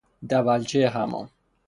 دولچه حمام